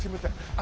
あ。